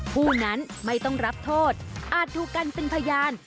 ผู้นั้นไม่ต้องรับโทษอาจถูกกันเป็นพยาน